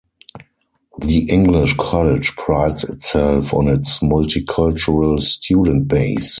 The English college prides itself on its multicultural student base.